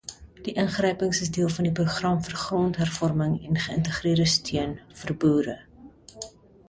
Die ingrypings is deel van die Program vir Grondhervorming en Geïntegreerde Steun vir Boere.